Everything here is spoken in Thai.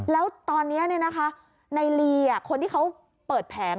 แล้วตอนนี้เนี่ยนะคะในลีอ่ะคนที่เขาเปิดแผง